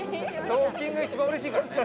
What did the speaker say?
送金が一番うれしいからね。